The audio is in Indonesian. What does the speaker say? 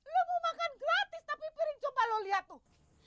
lo mau makan gratis tapi piring coba lo lihat tuh